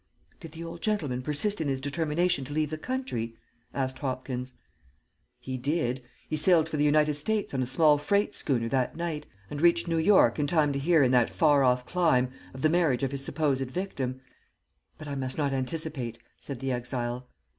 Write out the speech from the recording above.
"Did the old gentleman persist in his determination to leave the country?" asked Hopkins. "He did. He sailed for the United States on a small freight schooner that night, and reached New York in time to hear in that far off clime of the marriage of his supposed victim; but I must not anticipate," said the exile.